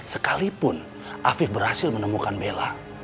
sekalipun afif berhasil menemukan bella